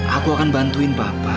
aku akan bantuin papa